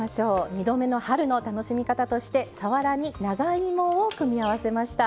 「２度目の春」の楽しみ方としてさわらに長芋を組み合わせました。